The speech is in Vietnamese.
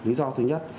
lý do thứ nhất